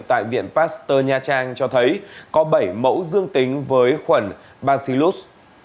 tại viện pasteur nha trang cho thấy có bảy mẫu dương tính với khuẩn bacillus